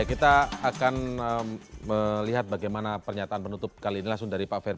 kita akan melihat bagaimana pernyataan penutup kali ini langsung dari pak ferry